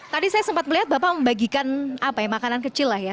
tadi saya sempat melihat bapak membagikan makanan kecil lah ya